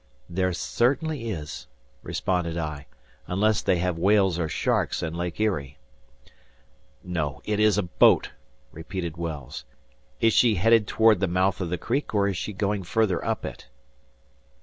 "There certainly is," responded I, "unless they have whales or sharks in Lake Erie." "No, it is a boat," repeated Wells. "Is she headed toward the mouth of the creek, or is she going further up it?"